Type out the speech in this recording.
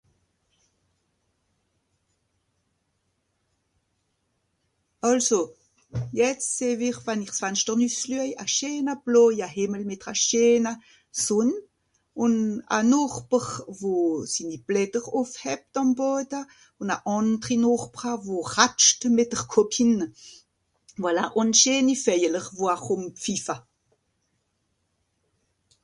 Àlso, jetz sehw-ich wann-ich wann ich s'Fanschter nüsslüej, a scheena bloja Hìmmel, mìt'ra scheena Sùnn, ùn a Nochber wo sinni Blätter ùffhebt àm Boda, ùn a àndri Nochbra wo ratscht mìt dr Copine. Voilà. Ùn scheeni Veejeler wo arùmpfiffa.